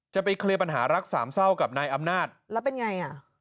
จะไปเคลียร์ปัญหารักสามเศร้ากับนายอำนาจแล้วเป็นไงอ่ะ